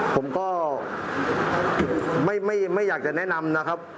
ผมก็ไม่อยากจะแนะนำนะครับ